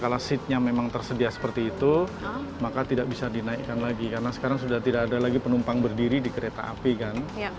kalau seatnya memang tersedia seperti itu maka tidak bisa dinaikkan lagi karena sekarang sudah tidak ada lagi penumpang berdiri di kereta api kan